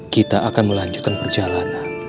kita akan melanjutkan perjalanan